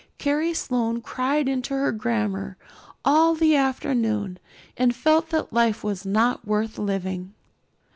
Carrie Sloane cried into her grammar all the afternoon and felt that life was not worth living.